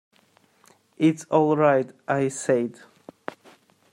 "It's all right," I said.